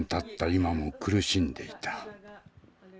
今も苦しんでいた。